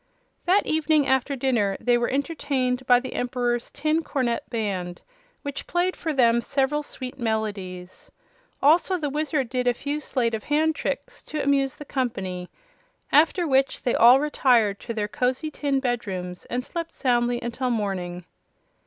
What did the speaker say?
That evening after dinner they were entertained by the Emperor's Tin Cornet Band, which played for them several sweet melodies. Also the Wizard did a few sleight of hand tricks to amuse the company; after which they all retired to their cozy tin bedrooms and slept soundly until morning.